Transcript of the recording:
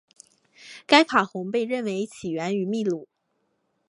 该卡洪被认为起源于秘鲁。